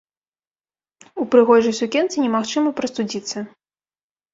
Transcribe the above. У прыгожай сукенцы немагчыма прастудзіцца.